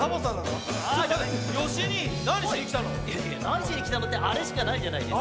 なにしにきたのってあれしかないじゃないですか。